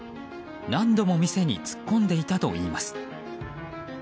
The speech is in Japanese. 何度も店に突っ込んでいたといいます。